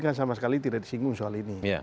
kan sama sekali tidak disinggung soal ini